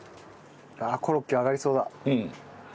あっコロッケ揚がりそうだ。